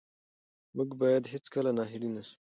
موږ باید هېڅکله ناهیلي نه سو.